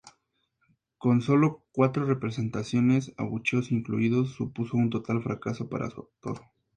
Con solo cuatro representaciones, abucheos incluidos, supuso un total fracaso para su autor.